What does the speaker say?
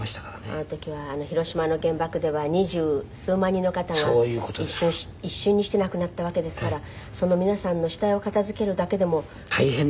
あの時は広島の原爆では二十数万人の方が一瞬にして亡くなったわけですからその皆さんの死体を片付けるだけでも。